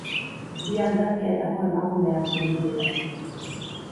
Bi alderdietako emakumeak bildu dira.